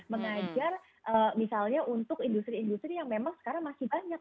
mengajar misalnya untuk industri industri yang memang sekarang masih banyak